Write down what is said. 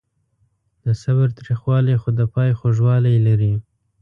د صبر تریخوالی خو د پای خوږوالی لري.